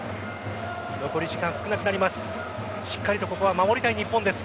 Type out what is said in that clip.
残り時間少なくなります。